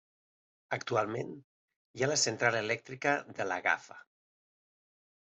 Actualment, hi ha la central elèctrica de la Gafa.